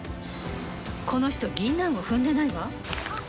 この人ギンナンを踏んでないわ！